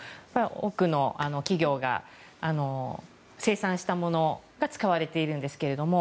多くの企業が生産したものが使われているんですけれども。